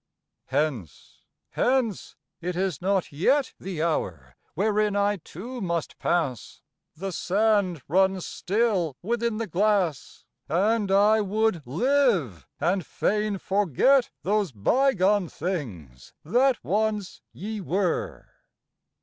Hence—hence! it is not yet The hour wherein I too must pass, The sand runs still within the glass, And I would live and fain forget Those bygone things that once ye were.